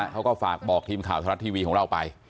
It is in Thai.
เขาก็ฝากบอกทีมข่าวธรรมรัฐทีวีของเราไป